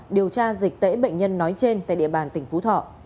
điều tra dịch tễ bệnh nhân nói trên tại địa bàn tỉnh phú thọ